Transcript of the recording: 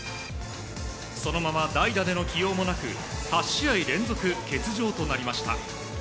そのまま代打での起用もなく、８試合連続欠場となりました。